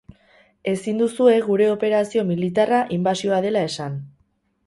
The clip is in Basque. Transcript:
Ezin duzue gure operazio militarra inbasioa dela esan.